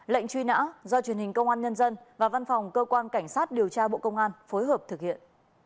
lệnh truy nã do truyền hình công an nhân dân và văn phòng cơ quan cảnh sát điều tra bộ công an phối hợp thực hiện